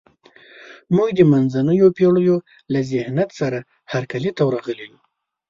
موږ د منځنیو پېړیو له ذهنیت سره هرکلي ته ورغلي یو.